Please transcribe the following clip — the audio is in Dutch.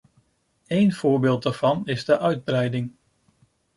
Eén voorbeeld daarvan is de uitbreiding.